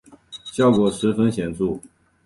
效果十分显著